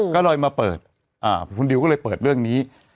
ก็เลยมาเปิดคุณดิวก็เลยเปิดเรื่องนี้